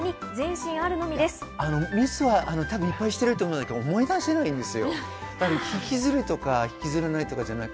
ミスはいっぱいしてると思うけど思い出せないんです。